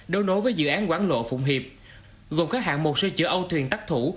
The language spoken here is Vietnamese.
đối nối với dự án quán lộ phụng hiệp gồm khắc hạn một sơ chữa âu thuyền tắc thủ